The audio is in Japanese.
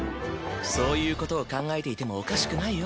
そういうことを考えていてもおかしくないよ